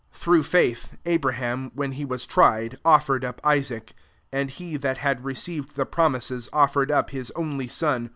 17 Through faith, Abraham, when he was tried, offered up Isaac ; and he that had receiv ed the promises offered up his only «on.